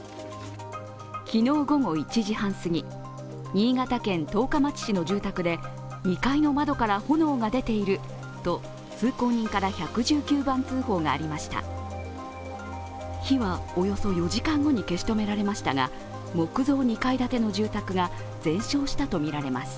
昨日午後１時半すぎ、新潟県十日町市の住宅で２階の窓から炎が出ていると通行人から１１９番通報がありました火はおよそ４時間後に消し止められましたが、木造２階建ての住宅が全焼したとみられます。